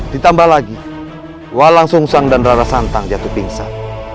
ditambah lagi walang sungsang dan rara santang jatuh pingsan